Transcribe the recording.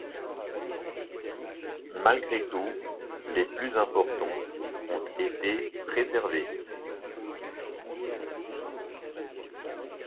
Malgré tout, les plus importants ont été préservés.